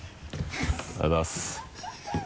ありがとうございます。